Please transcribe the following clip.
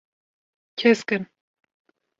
Kesk in.